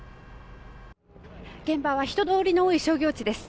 現場は人通りの多い商業地です。